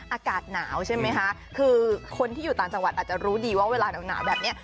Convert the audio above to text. อากาศหนาวใช่ไหมคะคือคนที่อยู่ต่างจังหวัดอาจจะรู้ดีว่าเวลาหนาวแบบนี้